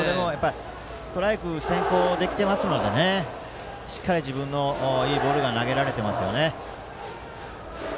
ストライク先行できていますのでしっかり自分のいいボールが投げられています。